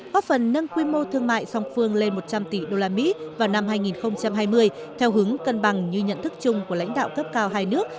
góp phần nâng quy mô thương mại song phương lên một trăm linh tỷ usd vào năm hai nghìn hai mươi theo hướng cân bằng như nhận thức chung của lãnh đạo cấp cao hai nước